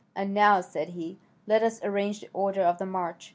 And now," said he, "let us arrange the order of the march.